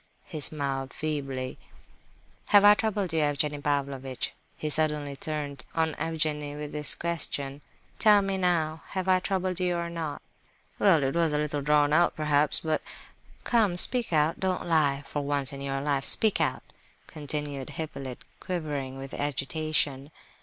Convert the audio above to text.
He smiled feebly. "Have I troubled you, Evgenie Pavlovitch?" He suddenly turned on Evgenie with this question. "Tell me now, have I troubled you or not?" "Well, it was a little drawn out, perhaps; but—" "Come, speak out! Don't lie, for once in your life—speak out!" continued Hippolyte, quivering with agitation.